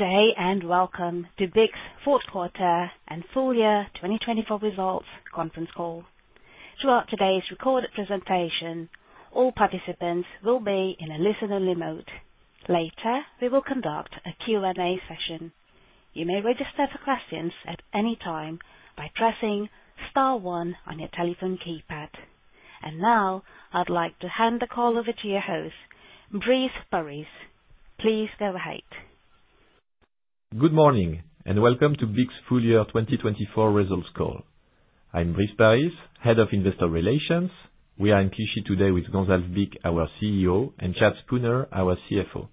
Good day and welcome to BIC's Fourth Quarter and Full Year 2024 Results Conference Call. Throughout today's recorded presentation, all participants will be in a listen-only mode. Later, we will conduct a Q&A session. You may register for questions at any time by pressing star one on your telephone keypad. And now, I'd like to hand the call over to your host, Brice Paris. Please go ahead. Good morning and welcome to BIC's Full Year 2024 Results Call. I'm Brice Paris, Head of Investor Relations. We are in Clichy today with Gonzalve Bich, our CEO, and Chad Spooner, our CFO.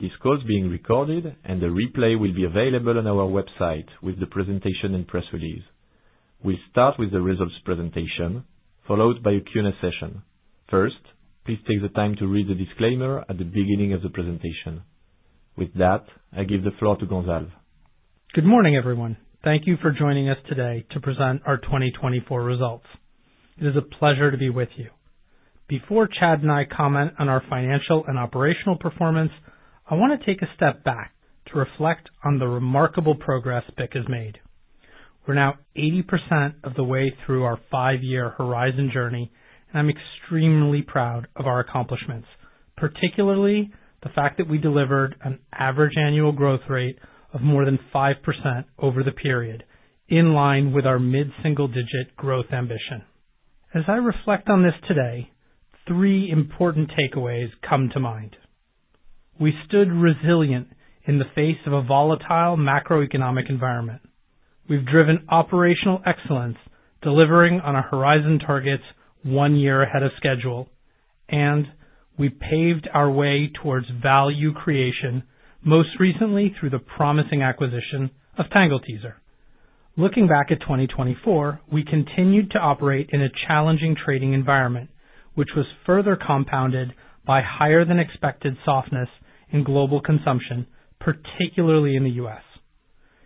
This call is being recorded, and the replay will be available on our website with the presentation and press release. We'll start with the results presentation, followed by a Q&A session. First, please take the time to read the disclaimer at the beginning of the presentation. With that, I give the floor to Gonzalve. Good morning, everyone. Thank you for joining us today to present our 2024 results. It is a pleasure to be with you. Before Chad and I comment on our financial and operational performance, I want to take a step back to reflect on the remarkable progress BIC has made. We're now 80% of the way through our five-year journey, and I'm extremely proud of our accomplishments, particularly the fact that we delivered an average annual growth rate of more than 5% over the period, in line with our mid-single-digit growth ambition. As I reflect on this today, three important takeaways come to mind. We stood resilient in the face of a volatile macroeconomic environment. We've driven operational excellence, delivering on our Horizon targets one year ahead of schedule, and we paved our way towards value creation, most recently through the promising acquisition of Tangle Teezer. Looking back at 2024, we continued to operate in a challenging trading environment, which was further compounded by higher-than-expected softness in global consumption, particularly in the U.S.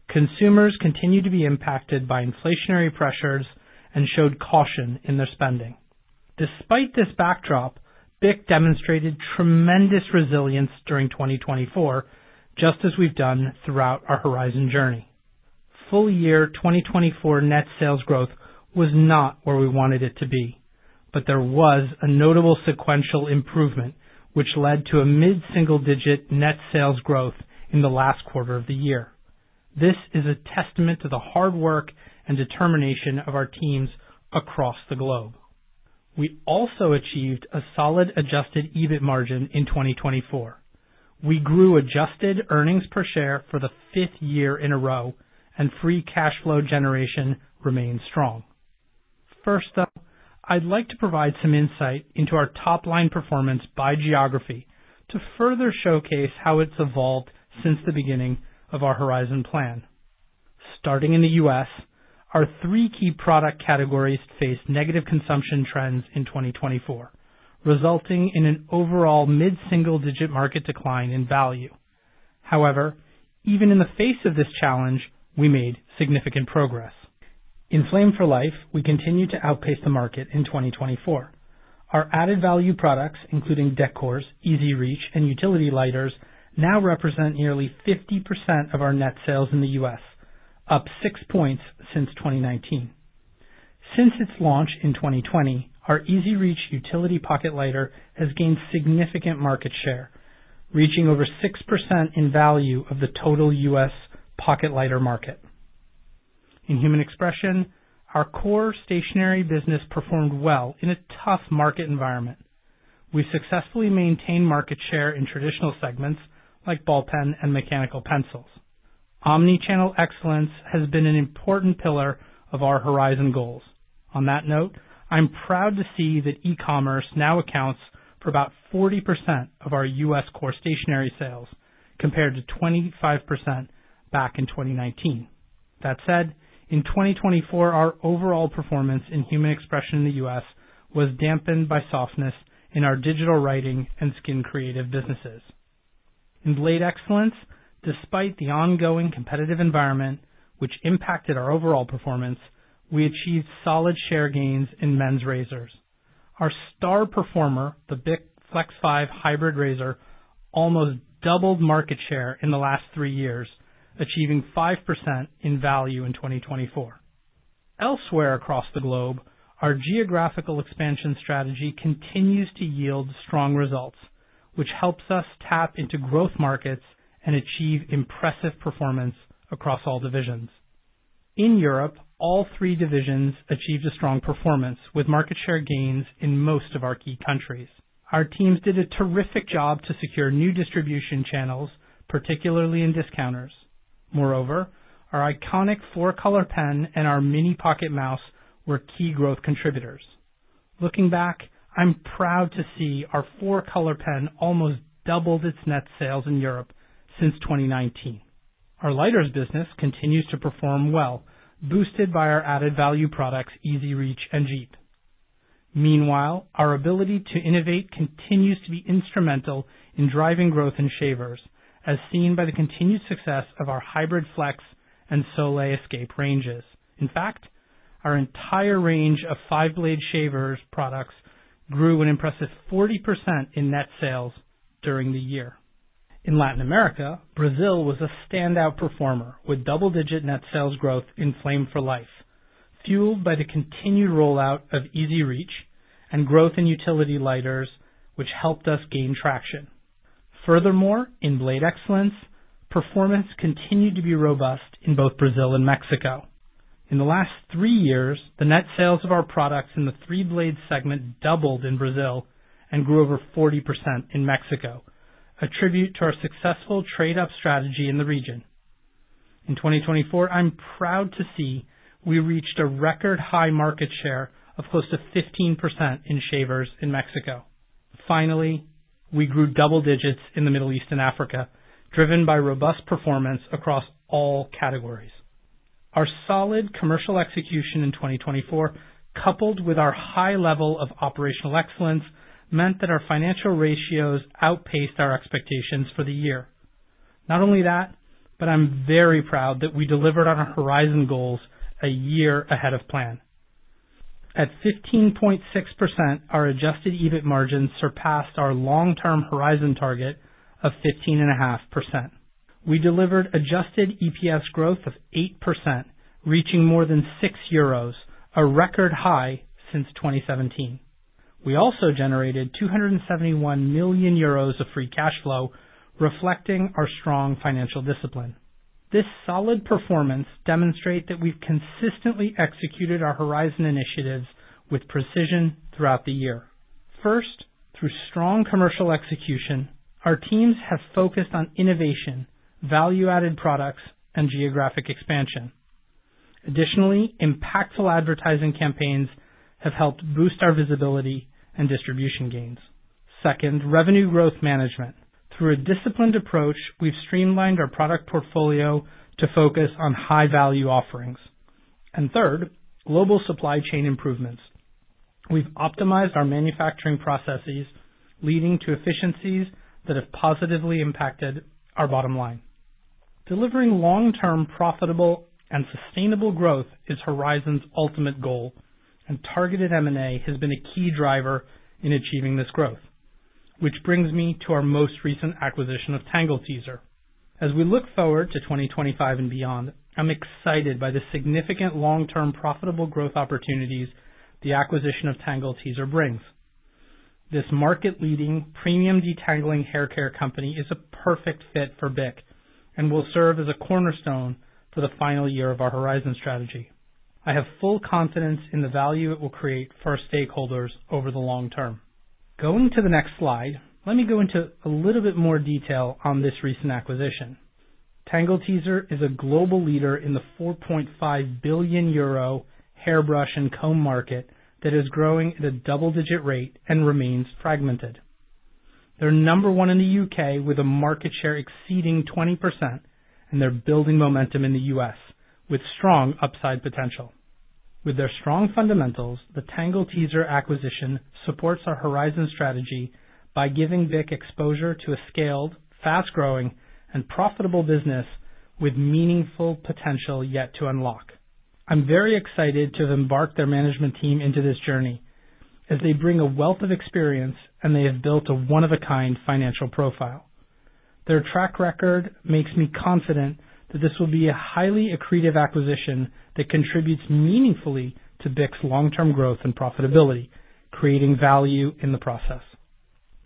Consumers continued to be impacted by inflationary pressures and showed caution in their spending. Despite this backdrop, BIC demonstrated tremendous resilience during 2024, just as we've done throughout our Horizon journey. Full year 2024 net sales growth was not where we wanted it to be, but there was a notable sequential improvement, which led to a mid-single-digit net sales growth in the last quarter of the year. This is a testament to the hard work and determination of our teams across the globe. We also achieved a solid adjusted EBIT margin in 2024. We grew adjusted earnings per share for the fifth year in a row, and free cash flow generation remained strong. First, though, I'd like to provide some insight into our top-line performance by geography to further showcase how it's evolved since the beginning of our Horizon Plan. Starting in the US, our three key product categories faced negative consumption trends in 2024, resulting in an overall mid-single-digit market decline in value. However, even in the face of this challenge, we made significant progress. In Flame for Life, we continue to outpace the market in 2024. Our added value products, including decors, EZ Reach, and utility lighters, now represent nearly 50% of our net sales in the US, up six points since 2019. Since its launch in 2020, our EZ Reach utility pocket lighter has gained significant market share, reaching over 6% in value of the total US pocket lighter market. In Human Expression, our core stationery business performed well in a tough market environment. We successfully maintained market share in traditional segments like ballpen and mechanical pencils. Omnichannel excellence has been an important pillar of our Horizon Goals. On that note, I'm proud to see that e-commerce now accounts for about 40% of our U.S. core stationery sales, compared to 25% back in 2019. That said, in 2024, our overall performance in Human Expression in the U.S. was dampened by softness in our digital writing and Skin Creative businesses. In Blade Excellence, despite the ongoing competitive environment, which impacted our overall performance, we achieved solid share gains in men's razors. Our star performer, the BIC Flex 5 Hybrid Razor, almost doubled market share in the last three years, achieving 5% in value in 2024. Elsewhere across the globe, our geographical expansion strategy continues to yield strong results, which helps us tap into growth markets and achieve impressive performance across all divisions. In Europe, all three divisions achieved a strong performance with market share gains in most of our key countries. Our teams did a terrific job to secure new distribution channels, particularly in discounters. Moreover, our iconic 4-Color Pen and our Mini Pocket Mouse were key growth contributors. Looking back, I'm proud to see our 4-Color Pen almost doubled its net sales in Europe since 2019. Our lighters business continues to perform well, boosted by our added value products, EZ Reach and Djeep. Meanwhile, our ability to innovate continues to be instrumental in driving growth in shavers, as seen by the continued success of our Hybrid Flex and Soleil Escape ranges. In fact, our entire range of five-blade shavers products grew an impressive 40% in net sales during the year. In Latin America, Brazil was a standout performer with double-digit net sales growth in Flame for Life, fueled by the continued rollout of EZ Reach and growth in utility lighters, which helped us gain traction. Furthermore, in Blade Excellence, performance continued to be robust in both Brazil and Mexico. In the last three years, the net sales of our products in the three-blade segment doubled in Brazil and grew over 40% in Mexico, a tribute to our successful trade-up strategy in the region. In 2024, I'm proud to see we reached a record high market share of close to 15% in shavers in Mexico. Finally, we grew double digits in the Middle East and Africa, driven by robust performance across all categories. Our solid commercial execution in 2024, coupled with our high level of operational excellence, meant that our financial ratios outpaced our expectations for the year. Not only that, but I'm very proud that we delivered on our Horizon Goals a year ahead of plan. At 15.6%, our adjusted EBIT margins surpassed our long-term Horizon target of 15.5%. We delivered adjusted EPS growth of 8%, reaching more than 6 euros, a record high since 2017. We also generated 271 million euros of free cash flow, reflecting our strong financial discipline. This solid performance demonstrates that we've consistently executed our Horizon initiatives with precision throughout the year. First, through strong commercial execution, our teams have focused on innovation, value-added products, and geographic expansion. Additionally, impactful advertising campaigns have helped boost our visibility and distribution gains. Second, revenue growth management. Through a disciplined approach, we've streamlined our product portfolio to focus on high-value offerings. And third, global supply chain improvements. We've optimized our manufacturing processes, leading to efficiencies that have positively impacted our bottom line. Delivering long-term profitable and sustainable growth is Horizon 's ultimate goal, and targeted M&A has been a key driver in achieving this growth, which brings me to our most recent acquisition of Tangle Teezer. As we look forward to 2025 and beyond, I'm excited by the significant long-term profitable growth opportunities the acquisition of Tangle Teezer brings. This market-leading premium detangling haircare company is a perfect fit for BIC and will serve as a cornerstone for the final year of our Horizon strategy. I have full confidence in the value it will create for our stakeholders over the long term. Going to the next slide, let me go into a little bit more detail on this recent acquisition. Tangle Teezer is a global leader in the 4.5 billion euro hairbrush and comb market that is growing at a double-digit rate and remains fragmented. They're number one in the U.K. with a market share exceeding 20%, and they're building momentum in the U.S. with strong upside potential. With their strong fundamentals, the Tangle Teezer acquisition supports our Horizon strategy by giving BIC exposure to a scaled, fast-growing, and profitable business with meaningful potential yet to unlock. I'm very excited to have embarked their management team into this journey as they bring a wealth of experience, and they have built a one-of-a-kind financial profile. Their track record makes me confident that this will be a highly accretive acquisition that contributes meaningfully to BIC's long-term growth and profitability, creating value in the process.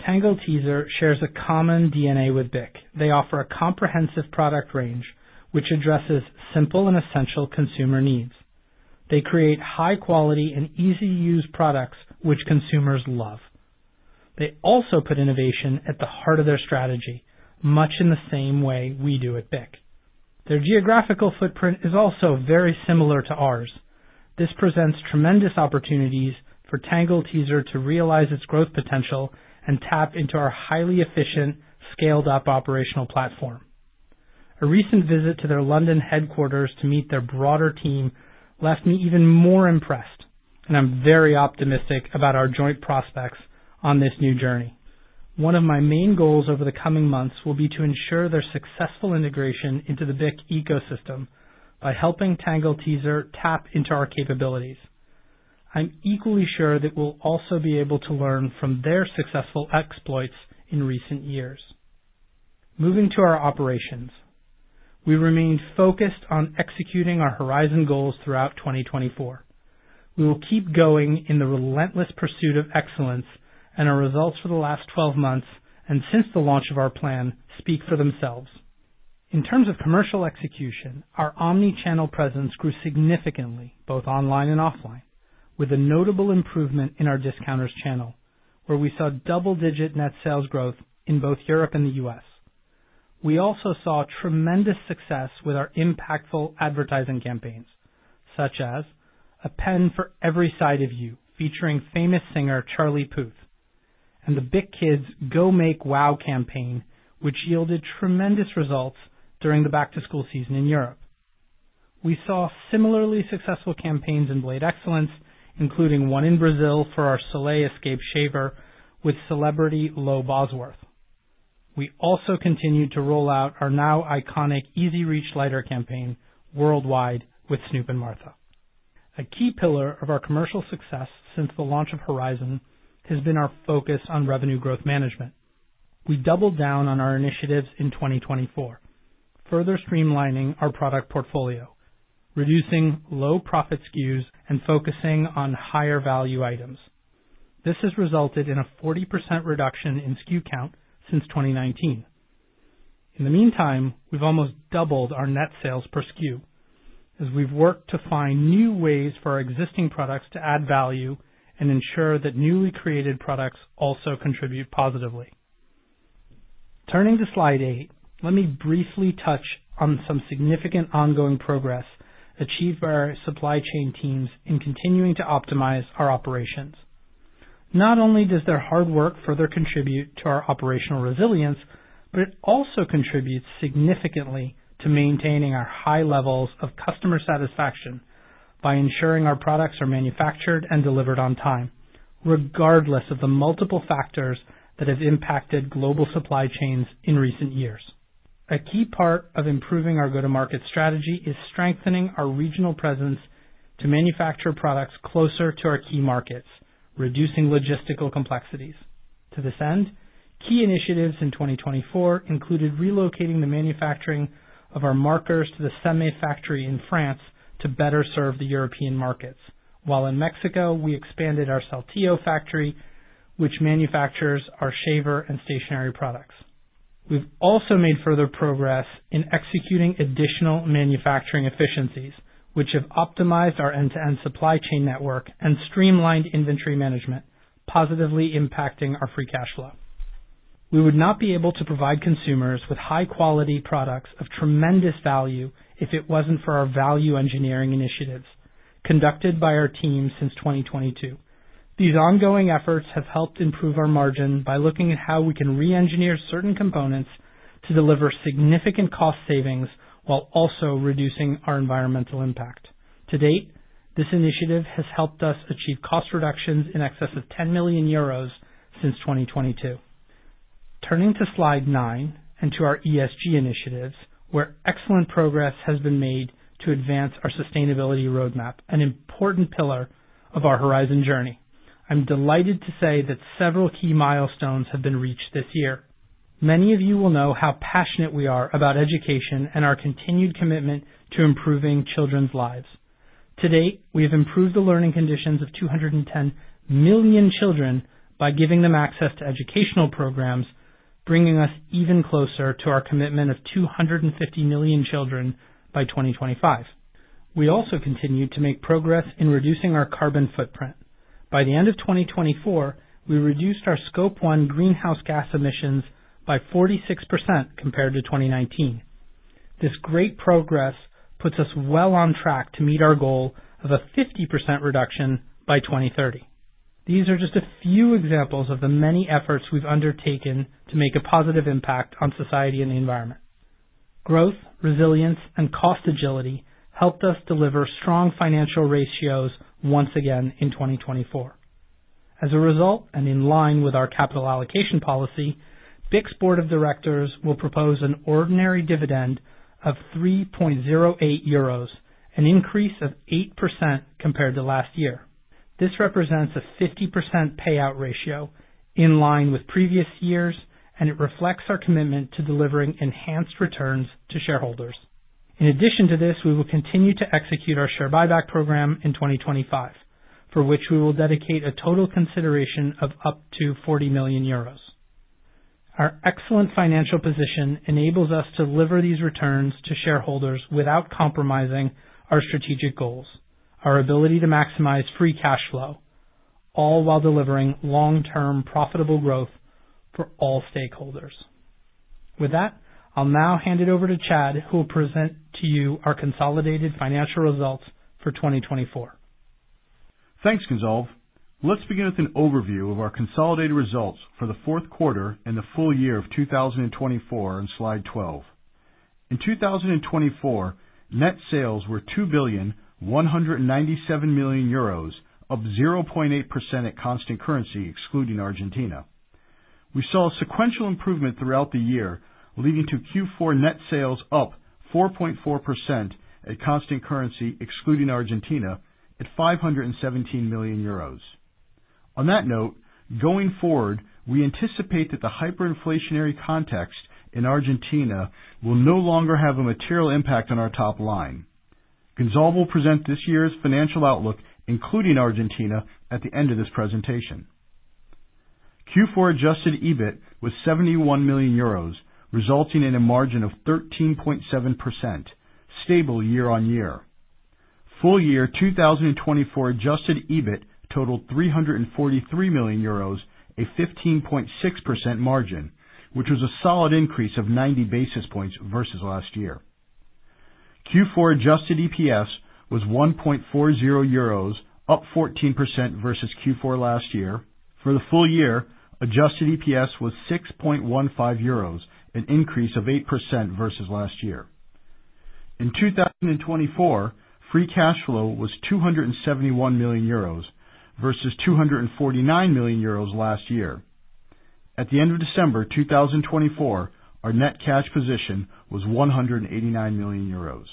Tangle Teezer shares a common DNA with BIC. They offer a comprehensive product range, which addresses simple and essential consumer needs. They create high-quality and easy-to-use products, which consumers love. They also put innovation at the heart of their strategy, much in the same way we do at BIC. Their geographical footprint is also very similar to ours. This presents tremendous opportunities for Tangle Teezer to realize its growth potential and tap into our highly efficient, scaled-up operational platform. A recent visit to their London headquarters to meet their broader team left me even more impressed, and I'm very optimistic about our joint prospects on this new journey. One of my main goals over the coming months will be to ensure their successful integration into the BIC ecosystem by helping Tangle Teezer tap into our capabilities. I'm equally sure that we'll also be able to learn from their successful exploits in recent years. Moving to our operations, we remain focused on executing our Horizon Goals throughout 2024. We will keep going in the relentless pursuit of excellence, and our results for the last 12 months and since the launch of our plan speak for themselves. In terms of commercial execution, our omnichannel presence grew significantly both online and offline, with a notable improvement in our discounters channel, where we saw double-digit net sales growth in both Europe and the U.S. We also saw tremendous success with our impactful advertising campaigns, such as A Pen for Every Side of You featuring famous singer Charlie Puth, and the BIC Kids Go Make Wow campaign, which yielded tremendous results during the back-to-school season in Europe. We saw similarly successful campaigns in Blade Excellence, including one in Brazil for our Soleil Escape shaver with celebrity Lo Bosworth. We also continued to roll out our now iconic EZ Reach lighter campaign worldwide with Snoop and Martha. A key pillar of our commercial success since the launch of Horizon has been our focus on revenue growth management. We doubled down on our initiatives in 2024, further streamlining our product portfolio, reducing low-profit SKUs and focusing on higher-value items. This has resulted in a 40% reduction in SKU count since 2019. In the meantime, we've almost doubled our net sales per SKU as we've worked to find new ways for our existing products to add value and ensure that newly created products also contribute positively. Turning to slide eight, let me briefly touch on some significant ongoing progress achieved by our supply chain teams in continuing to optimize our operations. Not only does their hard work further contribute to our operational resilience, but it also contributes significantly to maintaining our high levels of customer satisfaction by ensuring our products are manufactured and delivered on time, regardless of the multiple factors that have impacted global supply chains in recent years. A key part of improving our go-to-market strategy is strengthening our regional presence to manufacture products closer to our key markets, reducing logistical complexities. To this end, key initiatives in 2024 included relocating the manufacturing of our markers to the Samer factory in France to better serve the European markets, while in Mexico, we expanded our Saltillo factory, which manufactures our shaver and stationery products. We've also made further progress in executing additional manufacturing efficiencies, which have optimized our end-to-end supply chain network and streamlined inventory management, positively impacting our free cash flow. We would not be able to provide consumers with high-quality products of tremendous value if it wasn't for our value engineering initiatives conducted by our team since 2022. These ongoing efforts have helped improve our margin by looking at how we can re-engineer certain components to deliver significant cost savings while also reducing our environmental impact. To date, this initiative has helped us achieve cost reductions in excess of 10 million euros since 2022. Turning to slide nine and to our ESG initiatives, where excellent progress has been made to advance our sustainability roadmap, an important pillar of our Horizon journey, I'm delighted to say that several key milestones have been reached this year. Many of you will know how passionate we are about education and our continued commitment to improving children's lives. To date, we have improved the learning conditions of 210 million children by giving them access to educational programs, bringing us even closer to our commitment of 250 million children by 2025. We also continue to make progress in reducing our carbon footprint. By the end of 2024, we reduced our Scope 1 greenhouse gas emissions by 46% compared to 2019. This great progress puts us well on track to meet our goal of a 50% reduction by 2030. These are just a few examples of the many efforts we've undertaken to make a positive impact on society and the environment. Growth, resilience, and cost agility helped us deliver strong financial ratios once again in 2024. As a result, and in line with our capital allocation policy, BIC's board of directors will propose an ordinary dividend of 3.08 euros, an increase of 8% compared to last year. This represents a 50% payout ratio in line with previous years, and it reflects our commitment to delivering enhanced returns to shareholders. In addition to this, we will continue to execute our share buyback program in 2025, for which we will dedicate a total consideration of up to 40 million euros. Our excellent financial position enables us to deliver these returns to shareholders without compromising our strategic goals, our ability to maximize free cash flow, all while delivering long-term profitable growth for all stakeholders. With that, I'll now hand it over to Chad, who will present to you our consolidated financial results for 2024. Thanks, Gonzalve. Let's begin with an overview of our consolidated results for the fourth quarter and the full year of 2024 on slide 12. In 2024, net sales were 2.197 billion, up 0.8% at constant currency, excluding Argentina. We saw a sequential improvement throughout the year, leading to Q4 net sales up 4.4% at constant currency, excluding Argentina, at 517 million euros. On that note, going forward, we anticipate that the hyperinflationary context in Argentina will no longer have a material impact on our top line. Gonzalve will present this year's financial outlook, including Argentina, at the end of this presentation. Q4 Adjusted EBIT was EUR 71 million, resulting in a margin of 13.7%, stable year on year. Full year 2024 Adjusted EBIT totaled 343 million euros, a 15.6% margin, which was a solid increase of 90 basis points versus last year. Q4 Adjusted EPS was 1.40 euros, up 14% versus Q4 last year. For the full year, Adjusted EPS was 6.15 euros, an increase of 8% versus last year. In 2024, Free Cash Flow was 271 million euros versus 249 million euros last year. At the end of December 2024, our net cash position was 189 million euros.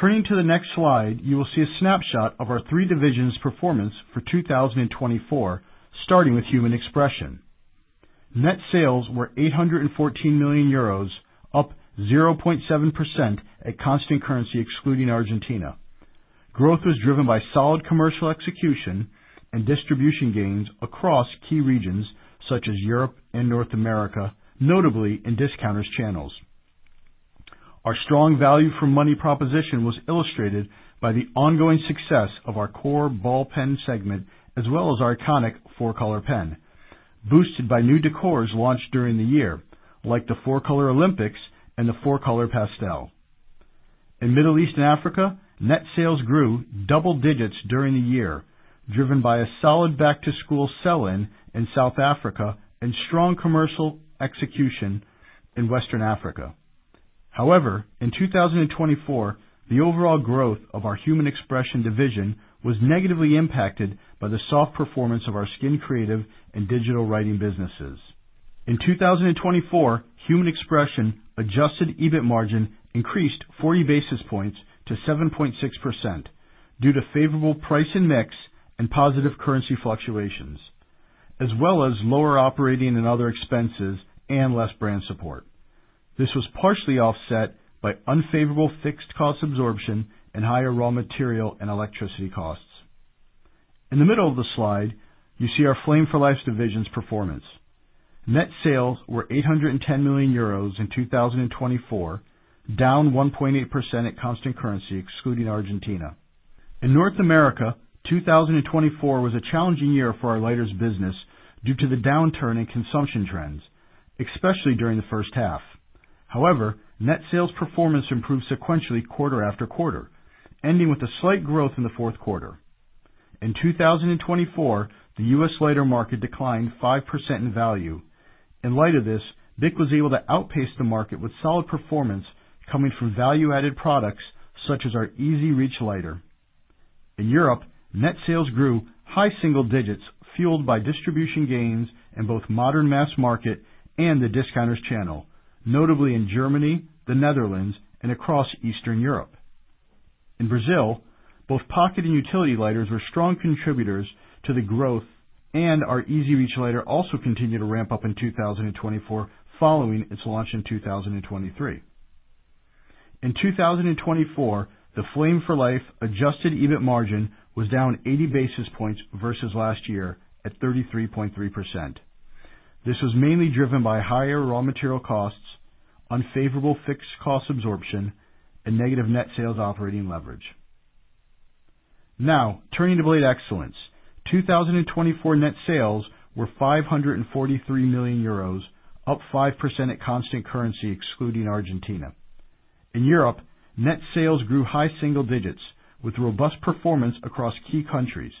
Turning to the next slide, you will see a snapshot of our three divisions' performance for 2024, starting with Human Expression. Net sales were EUR 814 million, up 0.7% at constant currency, excluding Argentina. Growth was driven by solid commercial execution and distribution gains across key regions such as Europe and North America, notably in discounters channels. Our strong value for money proposition was illustrated by the ongoing success of our core ball pen segment, as well as our iconic 4-Color Pen, boosted by new decors launched during the year, like the 4-Color Olympics and the 4-Color Pastel. In Middle East and Africa, net sales grew double digits during the year, driven by a solid back-to-school sell-in in South Africa and strong commercial execution in Western Africa. However, in 2024, the overall growth of our Human Expression division was negatively impacted by the soft performance of our Skin Creative and Digital Expression businesses. In 2024, Human Expression adjusted EBIT margin increased 40 basis points to 7.6% due to favorable price and mix and positive currency fluctuations, as well as lower operating and other expenses and less brand support. This was partially offset by unfavorable fixed cost absorption and higher raw material and electricity costs. In the middle of the slide, you see our Flame for Life's division's performance. Net sales were 810 million euros in 2024, down 1.8% at constant currency, excluding Argentina. In North America, 2024 was a challenging year for our lighters business due to the downturn in consumption trends, especially during the first half. However, net sales performance improved sequentially quarter after quarter, ending with a slight growth in the fourth quarter. In 2024, the U.S. lighter market declined 5% in value. In light of this, BIC was able to outpace the market with solid performance coming from value-added products such as our EZ Reach lighter. In Europe, net sales grew high single digits, fueled by distribution gains in both modern mass market and the discounters channel, notably in Germany, the Netherlands, and across Eastern Europe. In Brazil, both pocket and utility lighters were strong contributors to the growth, and our EZ Reach lighter also continued to ramp up in 2024, following its launch in 2023. In 2024, the Flame for Life Adjusted EBIT margin was down 80 basis points versus last year at 33.3%. This was mainly driven by higher raw material costs, unfavorable fixed cost absorption, and negative net sales operating leverage. Now, turning to Blade Excellence, 2024 net sales were 543 million euros, up 5% at constant currency, excluding Argentina. In Europe, net sales grew high single digits with robust performance across key countries.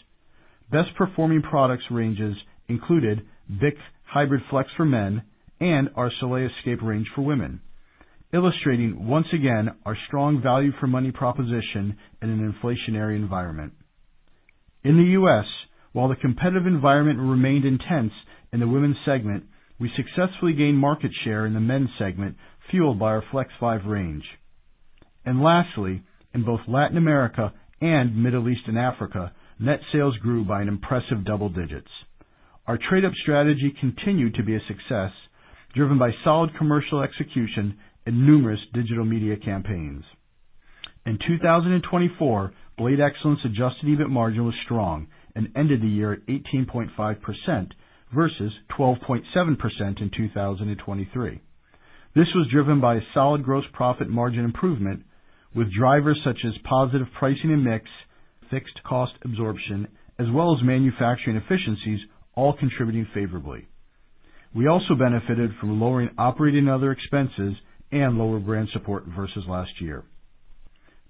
Best performing products ranges included BIC Hybrid Flex for men and our Soleil Escape range for women, illustrating once again our strong value for money proposition in an inflationary environment. In the US, while the competitive environment remained intense in the women's segment, we successfully gained market share in the men's segment, fueled by our Flex 5 range. And lastly, in both Latin America and Middle East and Africa, net sales grew by an impressive double digits. Our trade-up strategy continued to be a success, driven by solid commercial execution and numerous digital media campaigns. In 2024, Blade Excellence Adjusted EBIT margin was strong and ended the year at 18.5% versus 12.7% in 2023. This was driven by a solid gross profit margin improvement, with drivers such as positive pricing and mix, fixed cost absorption, as well as manufacturing efficiencies, all contributing favorably. We also benefited from lowering operating and other expenses and lower brand support versus last year.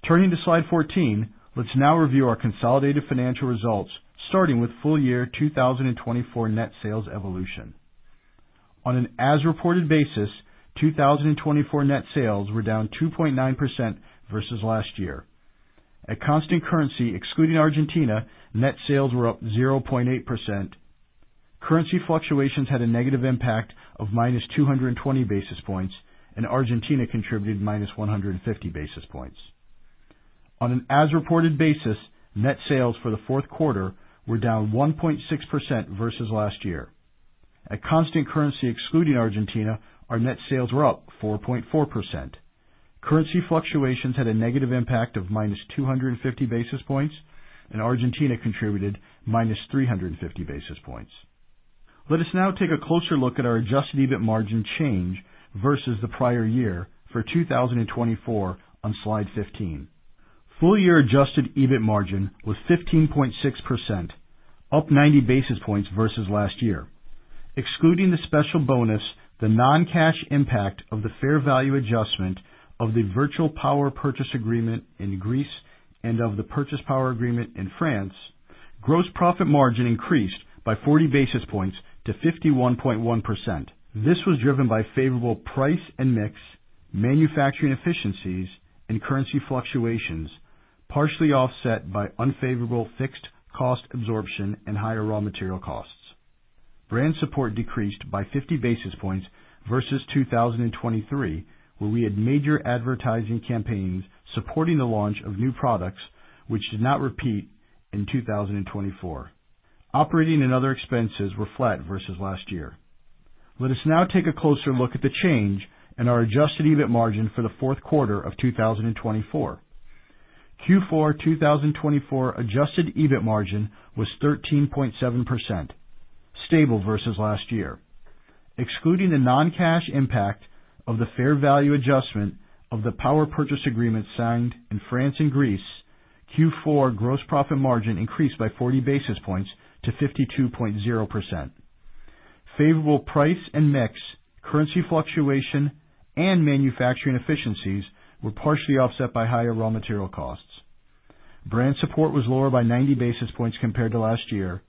Turning to slide 14, let's now review our consolidated financial results, starting with full year 2024 net sales evolution. On an as-reported basis, 2024 net sales were down 2.9% versus last year. At constant currency, excluding Argentina, net sales were up 0.8%. Currency fluctuations had a negative impact of minus 220 basis points, and Argentina contributed minus 150 basis points. On an as-reported basis, net sales for the fourth quarter were down 1.6% versus last year. At constant currency, excluding Argentina, our net sales were up 4.4%. Currency fluctuations had a negative impact of minus 250 basis points, and Argentina contributed minus 350 basis points. Let us now take a closer look at our adjusted EBIT margin change versus the prior year for 2024 on slide 15. Full year adjusted EBIT margin was 15.6%, up 90 basis points versus last year. Excluding the special bonus, the non-cash impact of the fair value adjustment of the virtual power purchase agreement in Greece and of the power purchase agreement in France, gross profit margin increased by 40 basis points to 51.1%. This was driven by favorable price and mix, manufacturing efficiencies, and currency fluctuations, partially offset by unfavorable fixed cost absorption and higher raw material costs. Brand support decreased by 50 basis points versus 2023, where we had major advertising campaigns supporting the launch of new products, which did not repeat in 2024. Operating and other expenses were flat versus last year. Let us now take a closer look at the change in our adjusted EBIT margin for the fourth quarter of 2024. Q4 2024 adjusted EBIT margin was 13.7%, stable versus last year. Excluding the non-cash impact of the fair value adjustment of the power purchase agreement signed in France and Greece, Q4 gross profit margin increased by 40 basis points to 52.0%. Favorable price and mix, currency fluctuation, and manufacturing efficiencies were partially offset by higher raw material costs. Brand support was lower by 90 basis points compared to last year.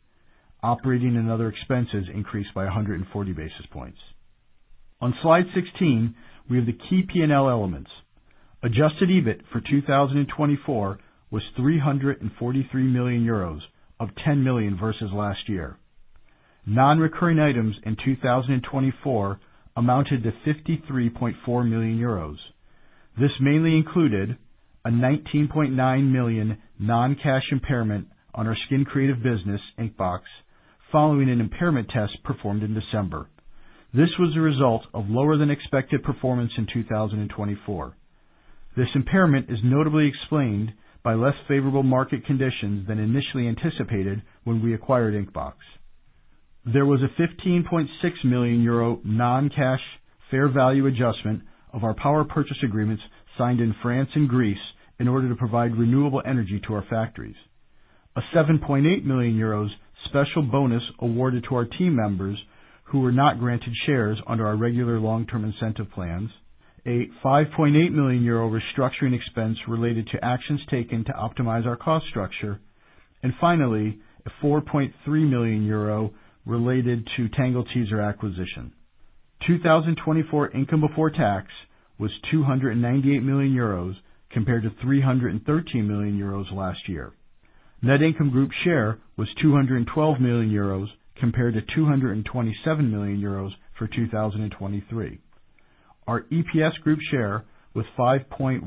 Operating and other expenses increased by 140 basis points. On slide 16, we have the key P&L elements. Adjusted EBIT for 2024 was 343 million euros, up 10 million versus last year. Non-recurring items in 2024 amounted to 53.4 million euros. This mainly included a 19.9 million non-cash impairment on our Skin Creative business, Inkbox, following an impairment test performed in December. This was the result of lower than expected performance in 2024. This impairment is notably explained by less favorable market conditions than initially anticipated when we acquired Inkbox. There was a 15.6 million euro non-cash fair value adjustment of our power purchase agreements signed in France and Greece in order to provide renewable energy to our factories, a 7.8 million euros special bonus awarded to our team members who were not granted shares under our regular long-term incentive plans, a 5.8 million euro restructuring expense related to actions taken to optimize our cost structure, and finally, a 4.3 million euro related to Tangle Teezer acquisition. 2024 income before tax was 298 million euros compared to 313 million euros last year. Net income group share was 212 million euros compared to 227 million euros for 2023. Our EPS group share was 5.10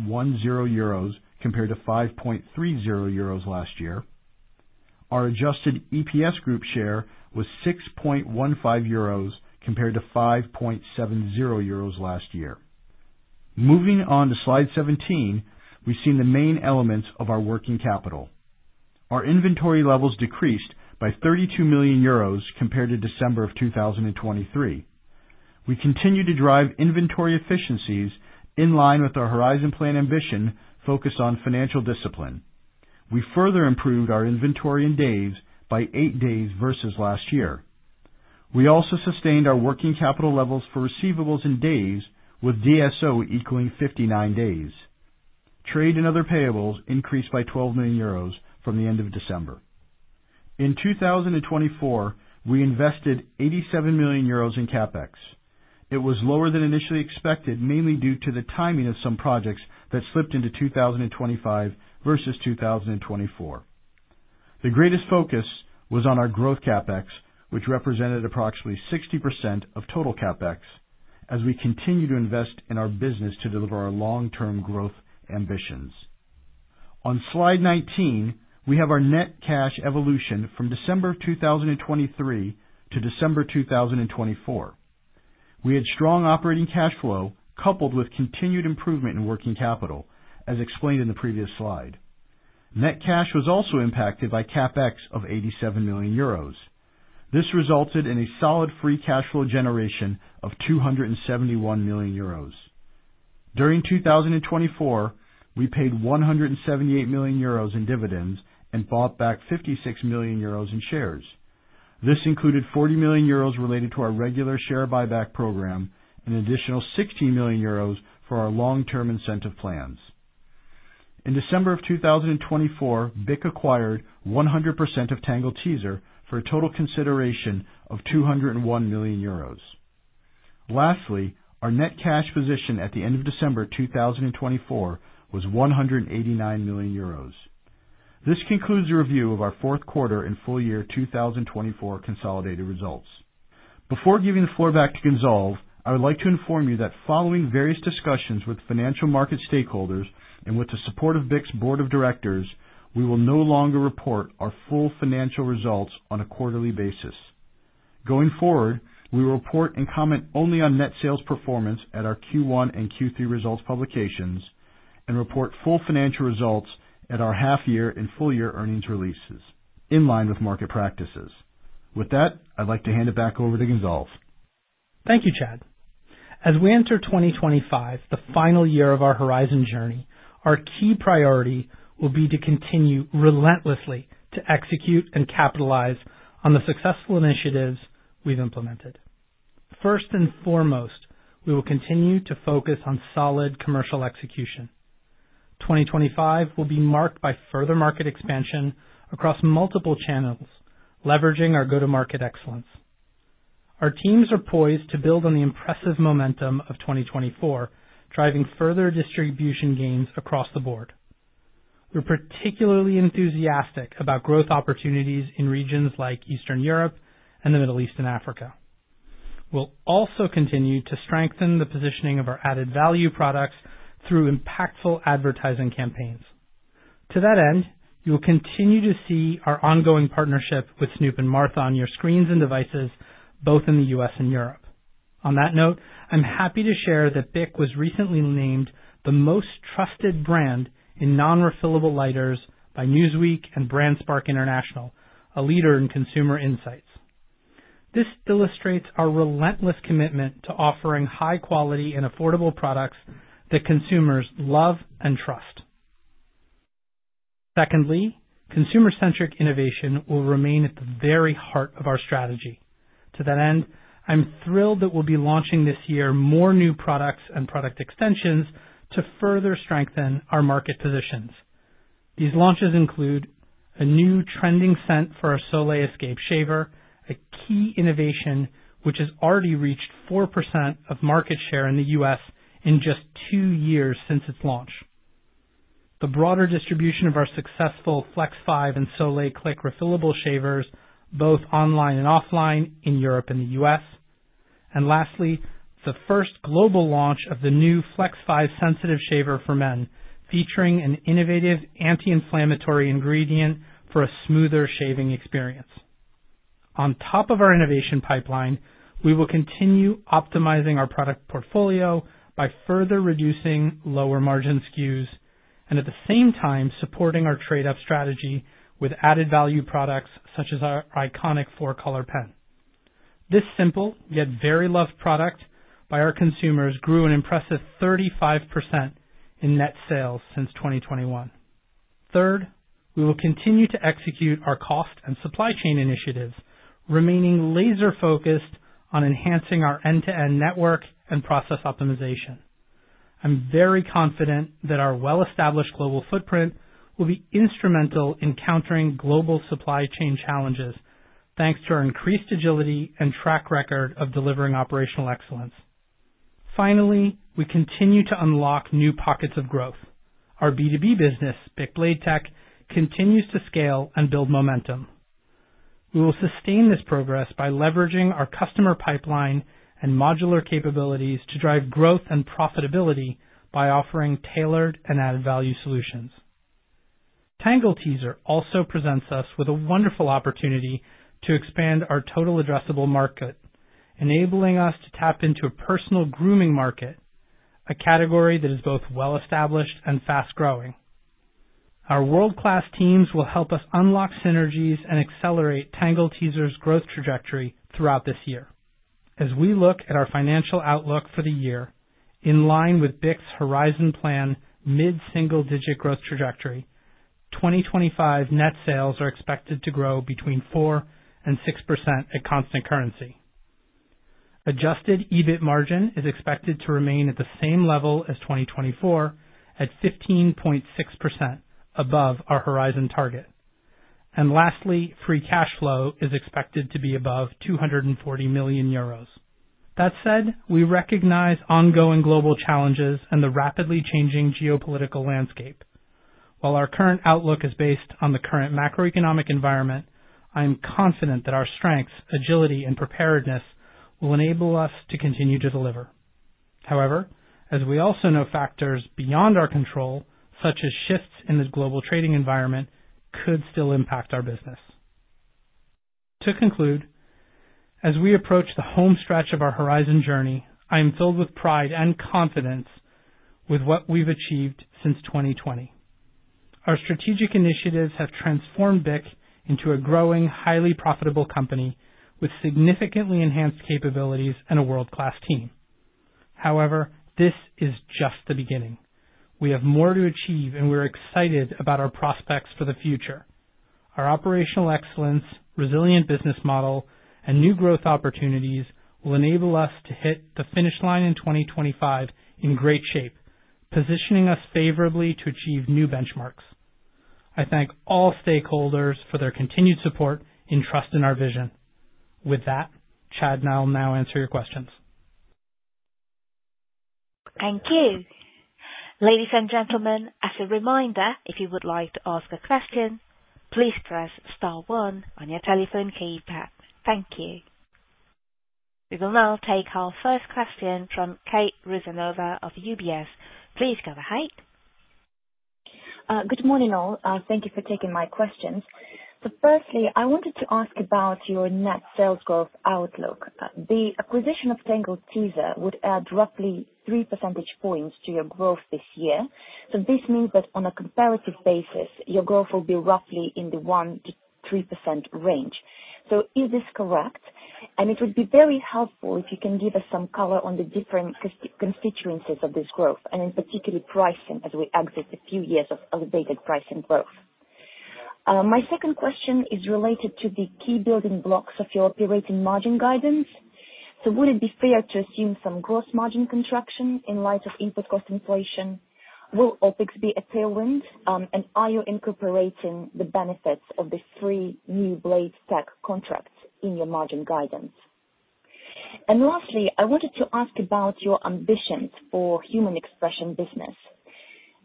euros compared to 5.30 euros last year. Our adjusted EPS group share was 6.15 euros compared to 5.70 euros last year. Moving on to slide 17, we've seen the main elements of our working capital. Our inventory levels decreased by 32 million euros compared to December of 2023. We continue to drive inventory efficiencies in line with our Horizon Plan ambition focused on financial discipline. We further improved our inventory in days by eight days versus last year. We also sustained our working capital levels for receivables in days, with DSO equaling 59 days. Trade and other payables increased by 12 million euros from the end of December. In 2024, we invested 87 million euros in CapEx. It was lower than initially expected, mainly due to the timing of some projects that slipped into 2025 versus 2024. The greatest focus was on our growth CapEx, which represented approximately 60% of total CapEx, as we continue to invest in our business to deliver our long-term growth ambitions. On slide 19, we have our net cash evolution from December 2023 to December 2024. We had strong operating cash flow coupled with continued improvement in working capital, as explained in the previous slide. Net cash was also impacted by CapEx of 87 million euros. This resulted in a solid free cash flow generation of 271 million euros. During 2024, we paid 178 million euros in dividends and bought back 56 million euros in shares. This included 40 million euros related to our regular share buyback program and an additional 16 million euros for our long-term incentive plans. In December of 2024, BIC acquired 100% of Tangle Teezer for a total consideration of 201 million euros. Lastly, our net cash position at the end of December 2024 was 189 million euros. This concludes the review of our fourth quarter and full year 2024 consolidated results. Before giving the floor back to Gonzalve, I would like to inform you that following various discussions with financial market stakeholders and with the support of BIC's board of directors, we will no longer report our full financial results on a quarterly basis. Going forward, we will report and comment only on net sales performance at our Q1 and Q3 results publications and report full financial results at our half-year and full-year earnings releases in line with market practices. With that, I'd like to hand it back over to Gonzalve. Thank you, Chad. As we enter 2025, the final year of our Horizon journey, our key priority will be to continue relentlessly to execute and capitalize on the successful initiatives we've implemented. First and foremost, we will continue to focus on solid commercial execution. 2025 will be marked by further market expansion across multiple channels, leveraging our go-to-market excellence. Our teams are poised to build on the impressive momentum of 2024, driving further distribution gains across the board. We're particularly enthusiastic about growth opportunities in regions like Eastern Europe and the Middle East and Africa. We'll also continue to strengthen the positioning of our added value products through impactful advertising campaigns. To that end, you'll continue to see our ongoing partnership with Snoop and Martha on your screens and devices, both in the US and Europe. On that note, I'm happy to share that BIC was recently named the most trusted brand in non-refillable lighters by Newsweek and BrandSpark International, a leader in consumer insights. This illustrates our relentless commitment to offering high-quality and affordable products that consumers love and trust. Secondly, consumer-centric innovation will remain at the very heart of our strategy. To that end, I'm thrilled that we'll be launching this year more new products and product extensions to further strengthen our market positions. These launches include a new trending scent for our Soleil Escape shaver, a key innovation which has already reached 4% of market share in the U.S. in just two years since its launch, the broader distribution of our successful Flex 5 and Soleil Click refillable shavers, both online and offline in Europe and the U.S., and lastly, the first global launch of the new Flex 5 Sensitive shaver for men, featuring an innovative anti-inflammatory ingredient for a smoother shaving experience. On top of our innovation pipeline, we will continue optimizing our product portfolio by further reducing lower margin SKUs and at the same time supporting our trade-up strategy with added value products such as our iconic 4-Color Pen. This simple yet very loved product by our consumers grew an impressive 35% in net sales since 2021. Third, we will continue to execute our cost and supply chain initiatives, remaining laser-focused on enhancing our end-to-end network and process optimization. I'm very confident that our well-established global footprint will be instrumental in countering global supply chain challenges, thanks to our increased agility and track record of delivering operational excellence. Finally, we continue to unlock new pockets of growth. Our B2B business, BIC Blade Tech, continues to scale and build momentum. We will sustain this progress by leveraging our customer pipeline and modular capabilities to drive growth and profitability by offering tailored and added value solutions. Tangle Teezer also presents us with a wonderful opportunity to expand our total addressable market, enabling us to tap into a personal grooming market, a category that is both well-established and fast-growing. Our world-class teams will help us unlock synergies and accelerate Tangle Teezer's growth trajectory throughout this year. As we look at our financial outlook for the year, in line with BIC's Horizon Plan, mid-single-digit growth trajectory, 2025 net sales are expected to grow between 4 and 6% at constant currency. Adjusted EBIT margin is expected to remain at the same level as 2024, at 15.6% above our Horizon Plan target, and lastly, Free Cash Flow is expected to be above 240 million euros. That said, we recognize ongoing global challenges and the rapidly changing geopolitical landscape. While our current outlook is based on the current macroeconomic environment, I'm confident that our strengths, agility, and preparedness will enable us to continue to deliver. However, as we also know, factors beyond our control, such as shifts in the global trading environment, could still impact our business. To conclude, as we approach the home stretch of our Horizon Journey, I am filled with pride and confidence with what we've achieved since 2020. Our strategic initiatives have transformed BIC into a growing, highly profitable company with significantly enhanced capabilities and a world-class team. However, this is just the beginning. We have more to achieve, and we're excited about our prospects for the future. Our operational excellence, resilient business model, and new growth opportunities will enable us to hit the finish line in 2025 in great shape, positioning us favorably to achieve new benchmarks. I thank all stakeholders for their continued support and trust in our vision. With that, Chad and I will now answer your questions. Thank you. Ladies and gentlemen, as a reminder, if you would like to ask a question, please press star one on your telephone keypad. Thank you. We will now take our first question from Kate Rusanova of UBS. Please go ahead. Good morning, all. Thank you for taking my questions. So firstly, I wanted to ask about your net sales growth outlook. The acquisition of Tangle Teezer would add roughly 3 percentage points to your growth this year. So this means that on a comparative basis, your growth will be roughly in the 1%-3% range. So is this correct? And it would be very helpful if you can give us some color on the different constituents of this growth, and in particular, pricing as we exit a few years of elevated pricing growth. My second question is related to the key building blocks of your operating margin guidance. So would it be fair to assume some gross margin contraction in light of input cost inflation? Will OpEx be a tailwind? Are you incorporating the benefits of the three new BIC BladeTech contracts in your margin guidance? Lastly, I wanted to ask about your ambitions for Human Expression business.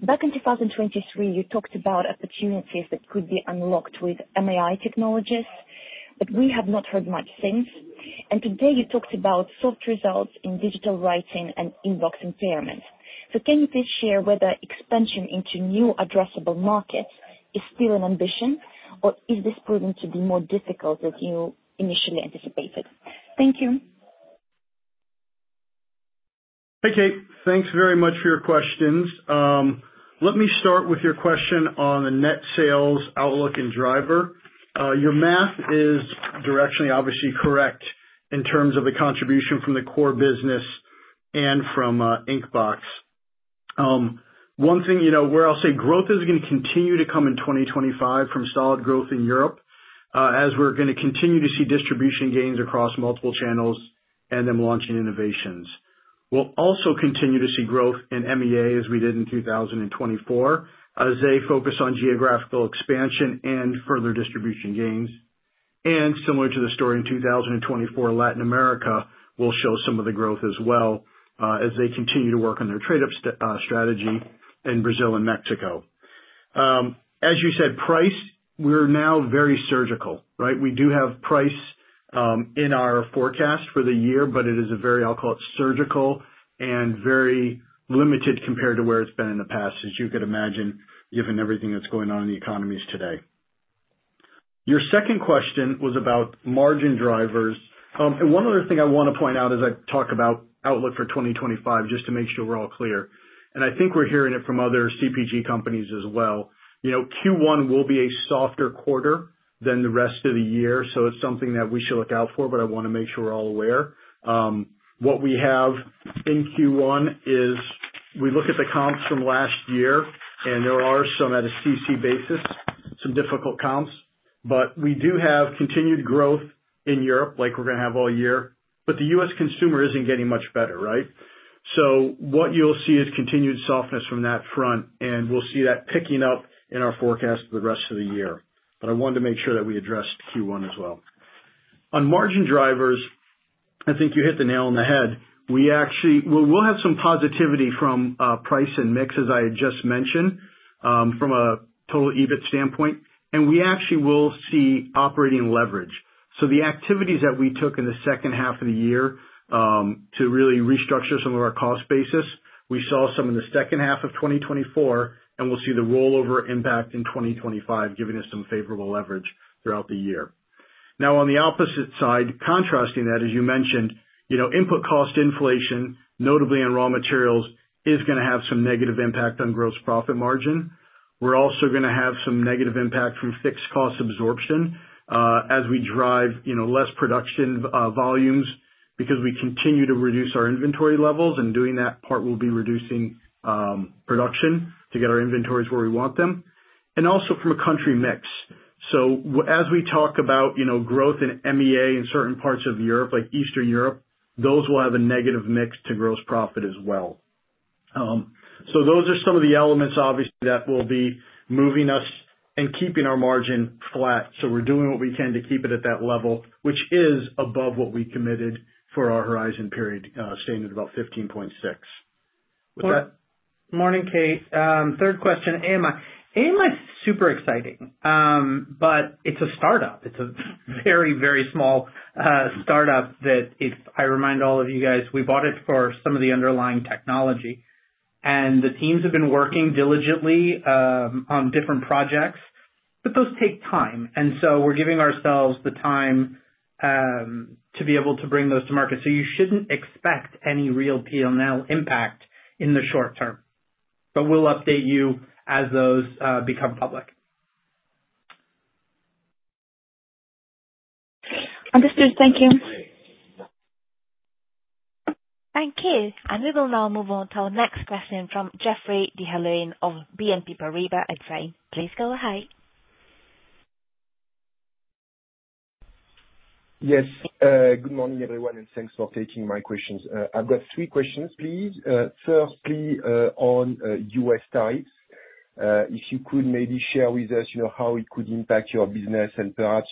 Back in 2023, you talked about opportunities that could be unlocked with AMI technologies, but we have not heard much since. Today, you talked about soft results in digital writing and Inkbox impairment. Can you please share whether expansion into new addressable markets is still an ambition, or is this proving to be more difficult than you initially anticipated? Thank you. Hey, Kate. Thanks very much for your questions. Let me start with your question on the net sales outlook and driver. Your math is directionally obviously correct in terms of the contribution from the core business and from Inkbox. One thing where I'll say growth is going to continue to come in 2025 from solid growth in Europe, as we're going to continue to see distribution gains across multiple channels and then launching innovations. We'll also continue to see growth in MEA as we did in 2024, as they focus on geographical expansion and further distribution gains, and similar to the story in 2024, Latin America will show some of the growth as well, as they continue to work on their trade-up strategy in Brazil and Mexico. As you said, price, we're now very surgical, right? We do have price in our forecast for the year, but it is a very, I'll call it surgical and very limited compared to where it's been in the past, as you could imagine, given everything that's going on in the economies today. Your second question was about margin drivers. One other thing I want to point out as I talk about outlook for 2025, just to make sure we're all clear. I think we're hearing it from other CPG companies as well. Q1 will be a softer quarter than the rest of the year, so it's something that we should look out for, but I want to make sure we're all aware. What we have in Q1 is we look at the comps from last year, and there are some at a CC basis, some difficult comps, but we do have continued growth in Europe, like we're going to have all year, but the U.S. consumer isn't getting much better, right? So what you'll see is continued softness from that front, and we'll see that picking up in our forecast for the rest of the year. But I wanted to make sure that we addressed Q1 as well. On margin drivers, I think you hit the nail on the head. We'll have some positivity from price and mix, as I had just mentioned, from a total EBIT standpoint, and we actually will see operating leverage. So the activities that we took in the second half of the year to really restructure some of our cost basis, we saw some in the second half of 2024, and we'll see the rollover impact in 2025, giving us some favorable leverage throughout the year. Now, on the opposite side, contrasting that, as you mentioned, input cost inflation, notably in raw materials, is going to have some negative impact on gross profit margin. We're also going to have some negative impact from fixed cost absorption as we drive less production volumes because we continue to reduce our inventory levels, and doing that part will be reducing production to get our inventories where we want them. And also from a country mix. So as we talk about growth in MEA in certain parts of Europe, like Eastern Europe, those will have a negative mix to gross profit as well. So those are some of the elements, obviously, that will be moving us and keeping our margin flat. So we're doing what we can to keep it at that level, which is above what we committed for our Horizon period, staying at about 15.6. With that. Morning, Kate. Third question, AMI. AMI is super exciting, but it's a startup. It's a very, very small startup that, if I remind all of you guys, we bought it for some of the underlying technology. And the teams have been working diligently on different projects, but those take time. And so we're giving ourselves the time to be able to bring those to market. So you shouldn't expect any real P&L impact in the short term, but we'll update you as those become public. Understood. Thank you. Thank you. And we will now move on to our next question from Geoffrey d'Halluin of BNP Paribas. Please go ahead. Yes. Good morning, everyone, and thanks for taking my questions. I've got three questions, please. First, please, on U.S. tariffs. If you could maybe share with us how it could impact your business and perhaps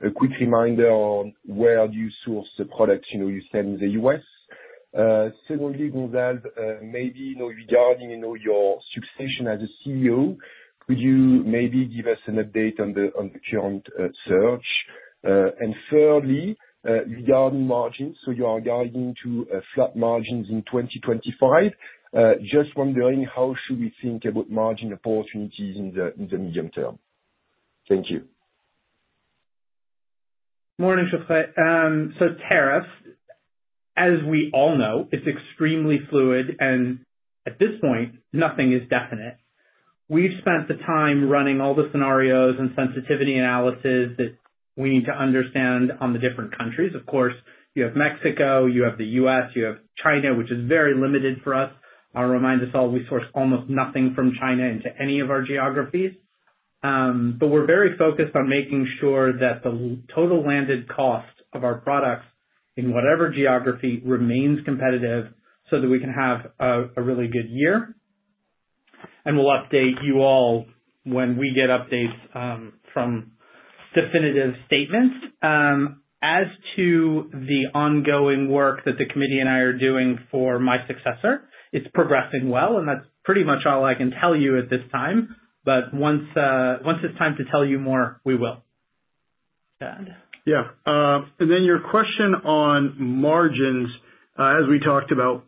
a quick reminder on where do you source the products you send to the U.S. Secondly, Gonzalve, maybe regarding your succession as CEO, could you maybe give us an update on the current search? And thirdly, regarding margins, so you are guiding to flat margins in 2025, just wondering how should we think about margin opportunities in the medium term? Thank you. Morning, Geoffrey. So tariffs, as we all know, it's extremely fluid, and at this point, nothing is definite. We've spent the time running all the scenarios and sensitivity analysis that we need to understand on the different countries. Of course, you have Mexico, you have the U.S. you have China, which is very limited for us. I'll remind us all, we source almost nothing from China into any of our geographies. But we're very focused on making sure that the total landed cost of our products in whatever geography remains competitive so that we can have a really good year. And we'll update you all when we get updates from definitive statements. As to the ongoing work that the committee and I are doing for my successor, it's progressing well, and that's pretty much all I can tell you at this time. But once it's time to tell you more, we will. Yeah. And then your question on margins, as we talked about,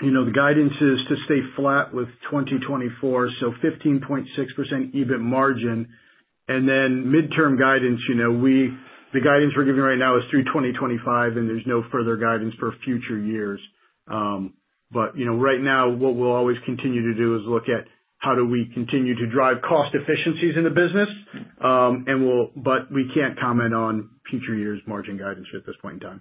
the guidance is to stay flat with 2024, so 15.6% EBIT margin. And then midterm guidance, the guidance we're giving right now is through 2025, and there's no further guidance for future years. But right now, what we'll always continue to do is look at how do we continue to drive cost efficiencies in the business, but we can't comment on future years' margin guidance at this point in time.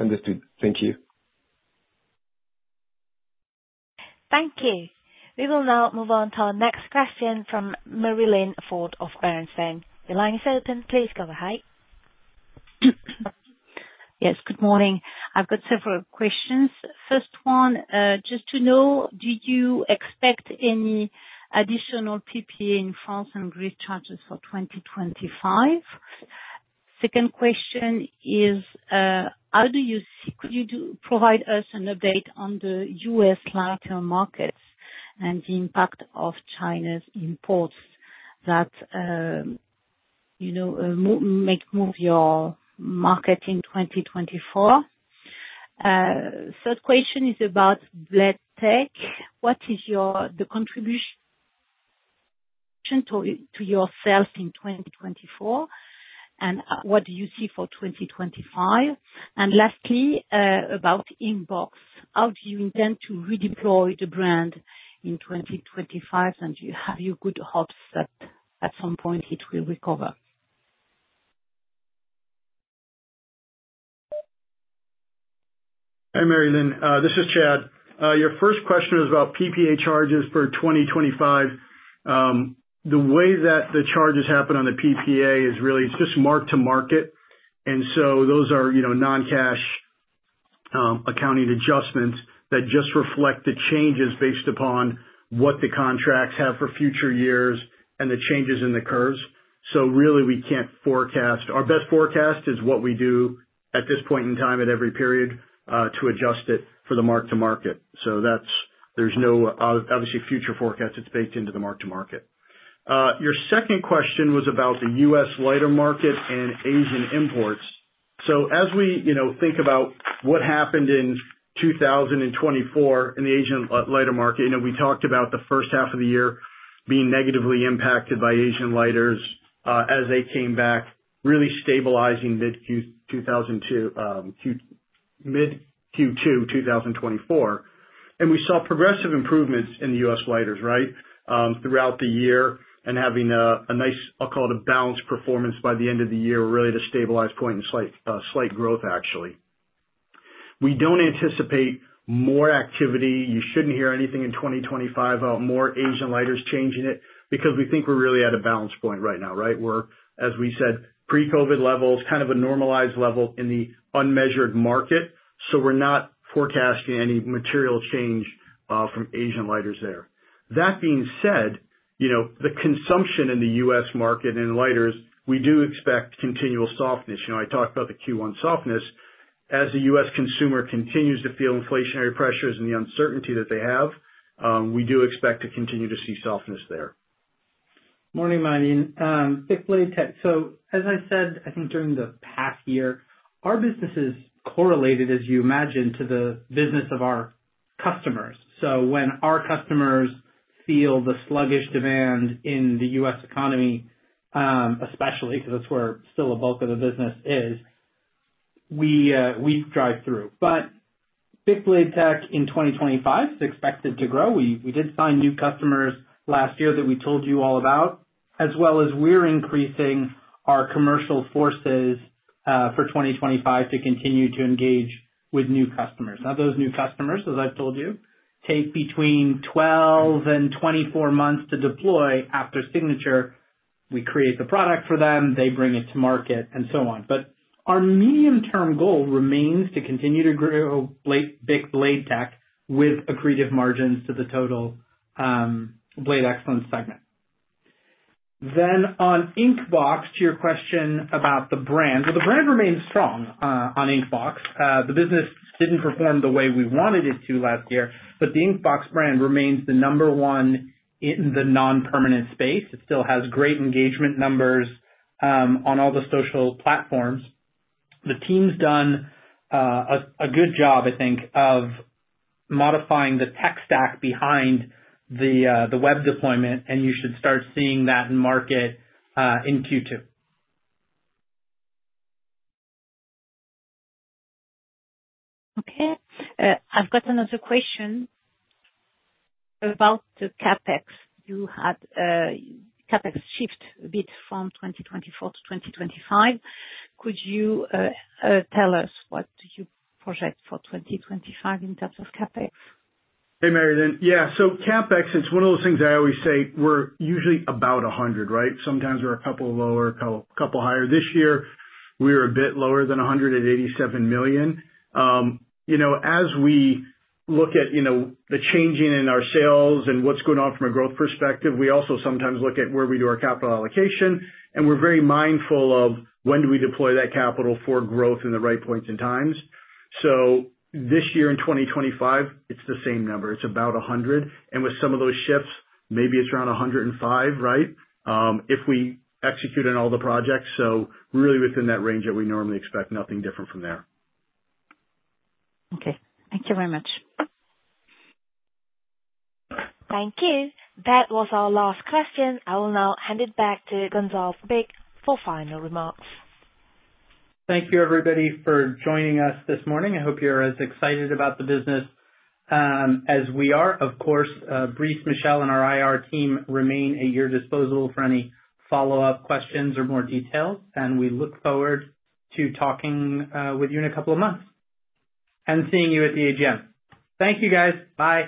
Understood. Thank you. Thank you. We will now move on to our next question from Marie-Line Fort of Bernstein. The line is open. Please go ahead. Yes. Good morning. I've got several questions. First one, just to know, did you expect any additional PPA in France and Greece charges for 2025? Second question is, how do you provide us an update on the U.S. lighter markets and the impact of China's imports that may move your market in 2024? Third question is about Blade Tech. What is the contribution to sales in 2024? And what do you see for 2025? And lastly, about Inkbox, how do you intend to redeploy the brand in 2025? And do you have good hopes that at some point it will recover? Hi, Marie-Line. This is Chad. Your first question is about PPA charges for 2025. The way that the charges happen on the PPA is really just mark to market. And so those are non-cash accounting adjustments that just reflect the changes based upon what the contracts have for future years and the changes in the curves. So really, we can't forecast. Our best forecast is what we do at this point in time at every period to adjust it for the mark to market. So there's no, obviously, future forecast. It's baked into the mark to market. Your second question was about the U.S. lighter market and Asian imports. So as we think about what happened in 2024 in the Asian lighter market, we talked about the first half of the year being negatively impacted by Asian lighters as they came back, really stabilizing mid-Q2 2024. We saw progressive improvements in the U.S. lighters, right, throughout the year and having a nice, I'll call it a balanced performance by the end of the year, really to a stabilization point in slight growth, actually. We don't anticipate more activity. You shouldn't hear anything in 2025 about more Asian lighters changing it because we think we're really at a balance point right now, right? We're, as we said, at pre-COVID levels, kind of a normalized level in the unmeasured market. So we're not forecasting any material change from Asian lighters there. That being said, the consumption in the U.S. market in lighters, we do expect continual softness. I talked about the Q1 softness. As the U.S. consumer continues to feel inflationary pressures and the uncertainty that they have, we do expect to continue to see softness there. Morning, Marie-Line. So as I said, I think during the past year, our business is correlated, as you imagine, to the business of our customers. So when our customers feel the sluggish demand in the U.S. economy, especially because that's where still a bulk of the business is, we drive through. But BIC Blade Tech in 2025 is expected to grow. We did sign new customers last year that we told you all about, as well as we're increasing our commercial forces for 2025 to continue to engage with new customers. Now, those new customers, as I've told you, take between 12 and 24 months to deploy after signature. We create the product for them, they bring it to market, and so on. But our medium-term goal remains to continue to grow BIC Blade Tech with accretive margins to the total Blade Excellence segment. Then, on Inkbox, to your question about the brand, well, the brand remains strong on Inkbox. The business didn't perform the way we wanted it to last year, but the Inkbox brand remains the number one in the non-permanent space. It still has great engagement numbers on all the social platforms. The team's done a good job, I think, of modifying the tech stack behind the web deployment, and you should start seeing that in market in Q2. Okay. I've got another question about the CapEx. You had CapEx shift a bit from 2024 to 2025. Could you tell us what you project for 2025 in terms of CapEx? Hey, Marie-Line. Yeah. So CapEx, it's one of those things I always say, we're usually about 100 million, right? Sometimes we're a couple lower, a couple higher. This year, we were a bit lower than 100 million at EUR 87 million. As we look at the change in our sales and what's going on from a growth perspective, we also sometimes look at where we do our capital allocation, and we're very mindful of when do we deploy that capital for growth in the right points and times. So this year in 2025, it's the same number. It's about 100. And with some of those shifts, maybe it's around 105, right, if we execute on all the projects. So really within that range that we normally expect, nothing different from there. Okay. Thank you very much. Thank you. That was our last question. I will now hand it back to Gonzalve Bich for final remarks. Thank you, everybody, for joining us this morning. I hope you're as excited about the business as we are. Of course, Brice, Michèle, and our IR team remain at your disposal for any follow-up questions or more details. And we look forward to talking with you in a couple of months and seeing you at the AGM. Thank you, guys. Bye.